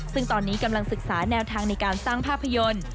ซึ่งตอนนี้กำลังศึกษาแนวทางในการสร้างภาพยนตร์